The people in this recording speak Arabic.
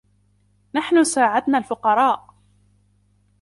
نحن ساعدنا الفقراء.